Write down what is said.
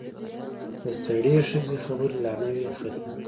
د زړې ښځې خبرې لا نه وې ختمې.